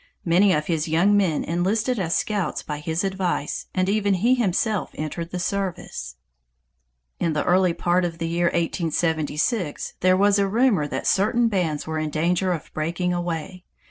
Many of his young men enlisted as scouts by his advice, and even he himself entered the service. In the early part of the year 1876, there was a rumor that certain bands were in danger of breaking away.